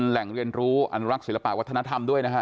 แหล่งเรียนรู้อนุรักษ์ศิลปะวัฒนธรรมด้วยนะฮะ